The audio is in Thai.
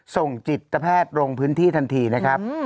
ส่งจิตแพทย์ลงพื้นที่ทันทีนะครับ